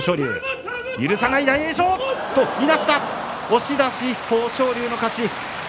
押し出し、豊昇龍の勝ち。